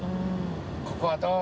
ここはどこ？」